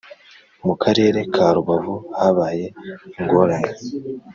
Mu Karere ka Rubavu habaye ingorane